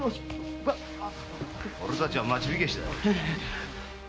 俺たちは町火消だ。